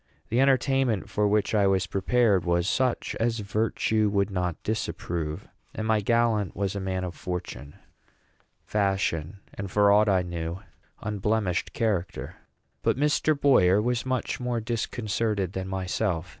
The entertainment for which I was prepared was such as virtue would not disapprove, and my gallant was a man of fortune, fashion, and, for aught I knew, of unblemished character. But Mr. Boyer was much more disconcerted than myself.